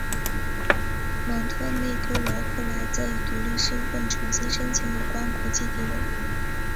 蒙特内哥罗后来则以独立身份重新申请有关国际地位。